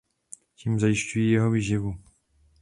Tím zajišťují jeho výživu.